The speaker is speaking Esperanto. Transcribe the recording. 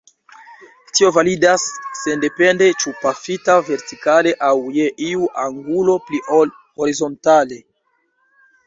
Tio validas sendepende ĉu pafita vertikale aŭ je iu angulo pli ol horizontale.